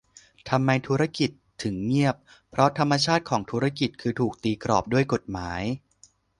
ทำไม "ธุรกิจ" ถึงเงียบ เพราะธรรมชาติของธุรกิจคือถูกตีกรอบด้วยกฎหมาย